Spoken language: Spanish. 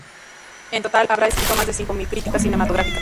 En total, habrá escrito más de cinco mil críticas cinematográficas.